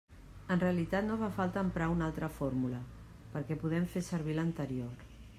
En realitat no fa falta emprar una altra fórmula, perquè podem fer servir l'anterior.